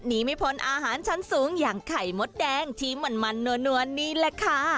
หนีไม่พ้นอาหารชั้นสูงอย่างไข่มดแดงที่มันนัวนี่แหละค่ะ